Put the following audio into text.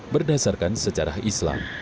berdasarkan sejarah islam